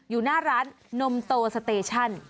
อยู่หน้าร้านนมโตสเตชั่น